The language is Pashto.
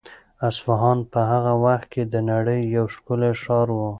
اصفهان په هغه وخت کې د نړۍ یو ښکلی ښار و.